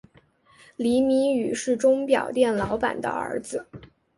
李弼雨是钟表店老板的儿子。